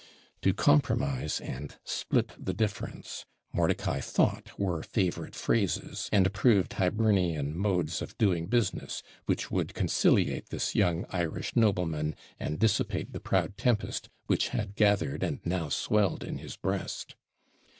TO COMPROMISE and SPLIT THE DIFFERENCE, Mordicai thought were favourite phrases, and approved Hibernian modes of doing business, which would conciliate this young Irish nobleman, and dissipate the proud tempest which had gathered and now swelled in his breast.